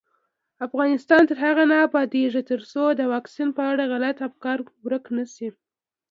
افغانستان تر هغو نه ابادیږي، ترڅو د واکسین په اړه غلط افکار ورک نشي.